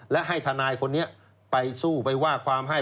และให้ทนายคนนี้ไปสู้ไปว่าความให้